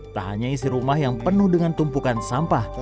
tak hanya isi rumah yang penuh dengan tumpukan sampah